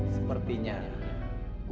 jadi abang mau nunggu